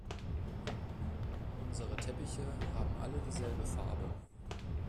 Unsere Teppiche haben alle dieselbe Farbe.